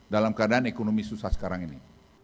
dalam keadaan ekonomi susah sekarang ini